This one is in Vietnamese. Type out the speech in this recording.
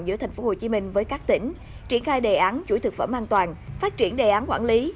giữa tp hcm với các tỉnh triển khai đề án chuỗi thực phẩm an toàn phát triển đề án quản lý